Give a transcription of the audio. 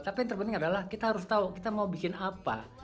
tapi yang terpenting adalah kita harus tahu kita mau bikin apa